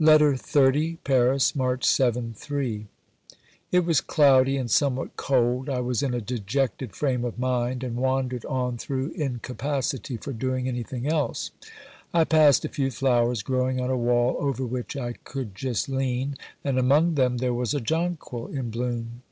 LETTER XXX Paris, March 7 (III). It was cloudy and somewhat cold ; I was in a dejected frame of mind, and wandered on through incapacity for doing anything else. I passed a few flowers growing on a wall over which I could just lean, and among them there OBERMANN 91 was a jonquil in bloom.